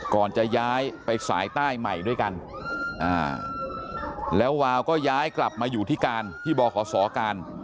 ก่อนจะย้ายไปสายใต้ใหม่ด้วยกันแล้ววาวก็ย้ายกลับมาอยู่ที่การที่บขศการ